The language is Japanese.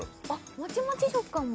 もちもち食感も？